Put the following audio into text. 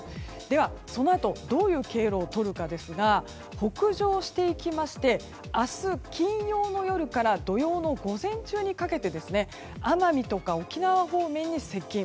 では、そのあとどういう経路をとるかですが北上していきまして明日、金曜の夜から土曜の午前中にかけて奄美とか沖縄方面に接近。